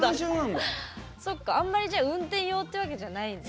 そっかあんまりじゃあ運転用っていうわけじゃない。